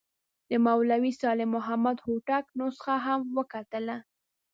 د مولوي صالح محمد هوتک نسخه هم وکتله.